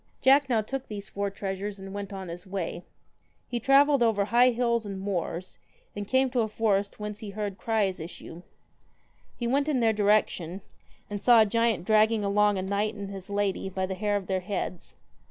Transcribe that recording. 1 88 Jack now took these four treasures and went on JACK THE his way. v AN He travelled over high hills and moors, and came into a forest whence he heard cries issue. He went in their direction, and saw a giant dragging along a knight and his lady by the hair of their heads.